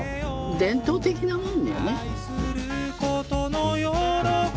伝統的なもんよね。